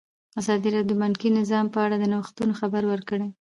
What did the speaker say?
ازادي راډیو د بانکي نظام په اړه د نوښتونو خبر ورکړی.